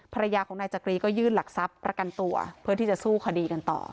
ภรรยาของนายจักรีก็ยื่นหลักทรัพย์ประกันตัวเพื่อที่จะสู้คดีกันต่อ